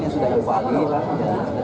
tidak berlaku lagi tidak dibagi lagi